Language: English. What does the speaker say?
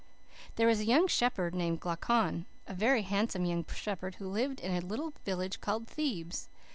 "There was a young shepherd named Glaucon a very handsome young shepherd who lived in a little village called Thebes.